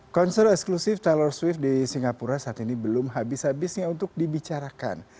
konser eksklusif tellor swift di singapura saat ini belum habis habisnya untuk dibicarakan